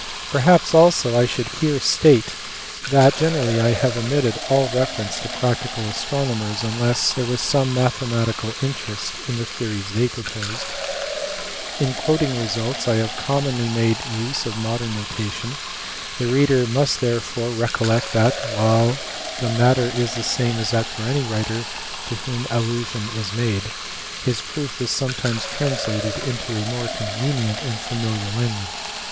Perhaps also I should here state that generally I have omitted all reference to practical astro nomers unless there was some mathematical interest in the theories they proposed. In quoting results I have commonly made use of modern notation ; the reader must therefore recollect that, while the matter is the same as that of any writer to whom allusion is made, his proof is sometimes translated into a more convenient and familiar language.